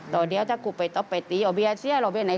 ตอนเดียวถ้ากูไปต้องไปตีออกไปไหนเชื่อไห้มันว่า